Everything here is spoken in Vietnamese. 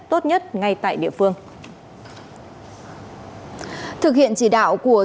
tốt nhất ngay tại địa phương